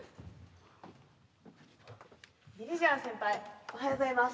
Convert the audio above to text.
ビリジアン先輩おはようございます。